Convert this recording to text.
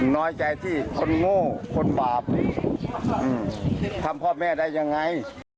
น้อยใจที่คนโง่คนบาปทำพ่อแม่ได้ยังไง